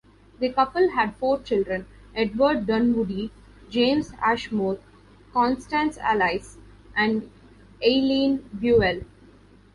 The couple had four children: Edward Dunwoodie, James Ashmore, Constance Alice, and Eileen Buell.